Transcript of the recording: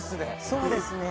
そうですね